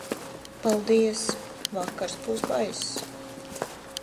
Paldies, vakars būs baiss.